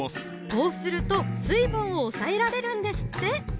こうすると水分を抑えられるんですって